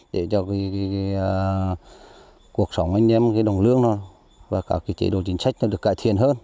để cho cuộc sống anh em đồng lương và cả chế độ chính sách được cải thiện hơn